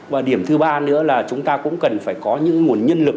và điểm thứ ba nữa là chúng ta cũng cần phải có những nguồn nhân lực